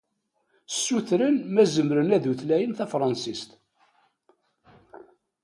Ssutren ma zemren ad utlayen tafṛansist.